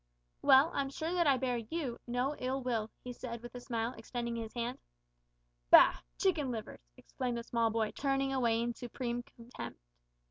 "Well, I'm sure that I bear you no ill will," he said, with a smile, extending his hand. "Bah! chicken livers," exclaimed the small boy, turning away in supreme contempt.